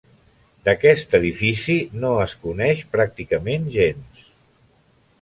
D'aquest edifici no es coneix pràcticament gens.